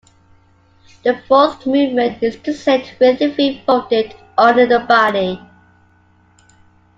The fourth movement is to sit with the feet folded under the body.